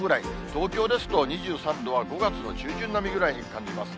東京ですと２３度は５月の中旬並みぐらいに感じます。